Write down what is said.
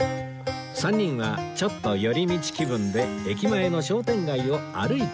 ３人はちょっと寄り道気分で駅前の商店街を歩いていく事に